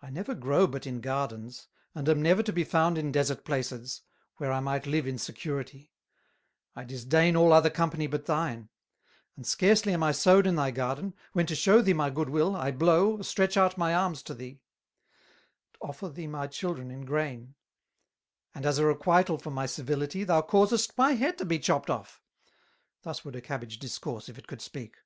I never grow but in Gardens, and am never to be found in desart places, where I might live in Security: I disdain all other company but thine; and scarcely am I sowed in thy Garden, when to shew thee my Goodwill, I blow, stretch out my Arms to thee; offer thee my Children in Grain; and as a requital for my civility, thou causest my Head to be chopt off.' Thus would a Cabbage discourse, if it could speak.